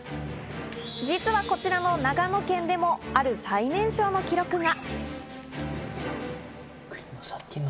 実はこちらの長野県でもある最年少の記録が。